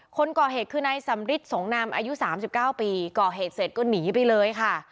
คนก่อเหตุคือนายสำริทสงนามอายุ๓๙ปีก่อเหตุเสร็จก็หนีไปเลยค่ะ